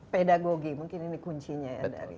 pedagogi mungkin ini kuncinya ya dari